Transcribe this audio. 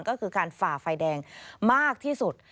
ก็คือการฝ่าไฟแดงมากที่สุด